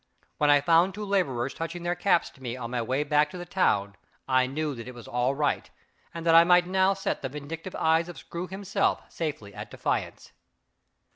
When I found two laborers touching their caps to me on my way back to the town, I knew that it was all right, and that I might now set the vindictive eyes of Screw himself safely at defiance.